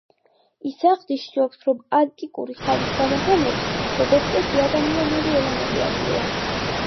ის აღნიშნავს, რომ ანტიკური ხანის გამოფენებს, როგორც წესი, ადამიანური ელემენტი აკლია.